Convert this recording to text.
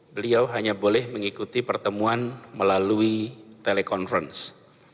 beliau hanya boleh mengikuti pertemuan melalui telekonferensi